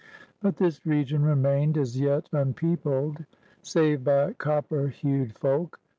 But this region remained as yet unpeopled save by copper hued folk.